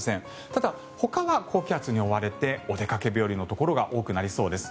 ただ、ほかは高気圧に覆われてお出かけ日和のところが多くなりそうです。